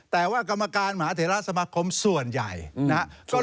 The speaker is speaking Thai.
แต่ว่ากรรมการมหาเทราสมาคมส่วนใหญ่นะครับ